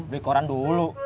beli koran dulu